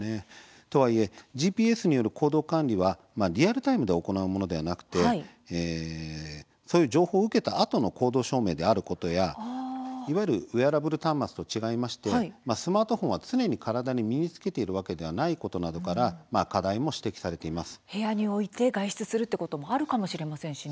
とはいえＧＰＳによる行動管理はリアルタイムで行うものではなくて情報を受けたあとの行動証明であることやいわゆるウエアラブル端末と違いましてスマートフォンは常に体に身につけているわけではないことなどから部屋に置いて外出するということもあるかもしれませんしね。